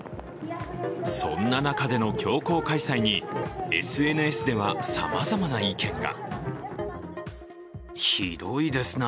そんな中での強行開催にＳＮＳではさまざまな意見が。